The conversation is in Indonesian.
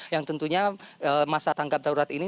yang tentunya masa tanggap darurat ini